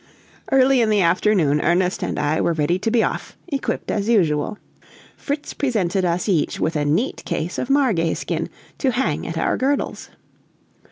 Early in the afternoon Ernest and I were ready to be off, equipped as usual. Fritz presented us each with a neat case of margay skin to hang at our girdles.